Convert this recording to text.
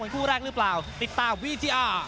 เป็นคู่แรกรึเปล่าติดตามตอนต่อ